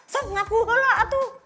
sob ngaku ke lu lah atuh